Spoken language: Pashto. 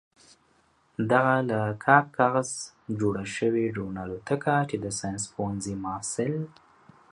دغه له کاک کاغذه جوړه شوې ډرون الوتکه چې د ساينس پوهنځي محصل